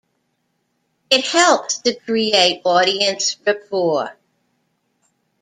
It helps to create audience rapport.